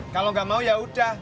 kalau nggak mau ya udah